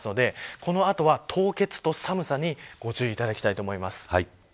この後は凍結と寒さにご注意いただきたいと思います。